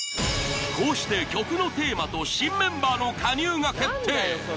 こうして曲のテーマと新メンバーの加入が決定！